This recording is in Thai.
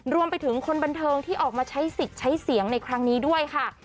รวมไปถึงคนบันเทิงที่ออกมาใช้สิทธิ์ใช้เสียงในครั้งนี้ด้วยค่ะ